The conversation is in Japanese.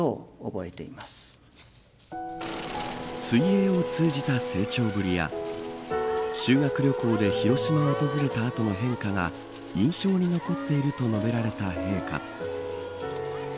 水泳を通じた成長ぶりや修学旅行で広島を訪れたあとの変化が印象に残っていると述べられた陛下。